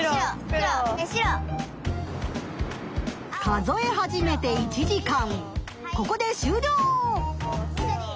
数え始めて１時間ここで終りょう！